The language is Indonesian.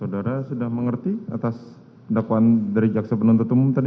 saudara sudah mengerti atas dakwaan dari jaksa penuntut umum tadi